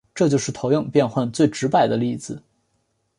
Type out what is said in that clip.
这就是投影变换最直白的例子。